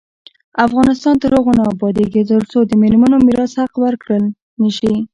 افغانستان تر هغو نه ابادیږي، ترڅو د میرمنو میراث حق ورکړل نشي.